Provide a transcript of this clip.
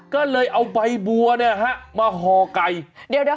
ก็เลยเอาใบบัวมาห่อไก่เดี๋ยว